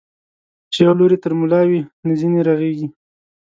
چي يو لور يې تر ملا وي، نه ځيني رغېږي.